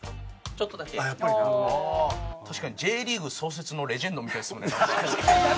確かにＪリーグ創設のレジェンドみたいですもんねなんか。